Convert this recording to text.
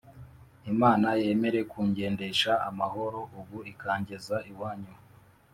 Imana yemere kungendesha amahoro ubu ikangeza iwanyu